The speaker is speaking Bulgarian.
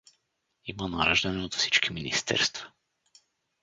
Има нареждане от всички министерства.